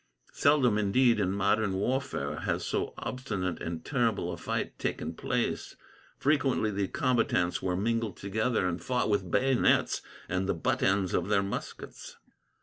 Seldom, indeed, in modern warfare, has so obstinate and terrible a fight taken place. Frequently the combatants were mingled together, and fought with bayonets and the butt ends of their muskets.